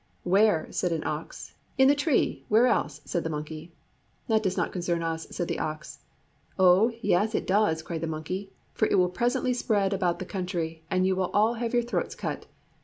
'Where?' said an ox. 'In the tree where else?' said the monkey. 'That does not concern us,' said the ox. 'Oh, yes, it does!' cried the monkey, 'for it will presently spread about the country and you will all have your throats cut.'